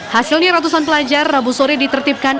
hasilnya ratusan pelajar rabu sore ditertipkan